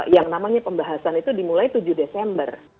yang namanya pembahasan itu dimulai tujuh desember